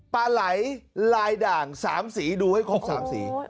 ปลาไหลลายด่าง๓สีดูให้ครบ๓สี